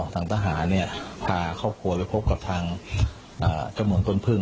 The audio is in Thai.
ทางทหารเนี่ยพาครอบครัวไปพบกับทางอ่าจำวนต้นพึ่ง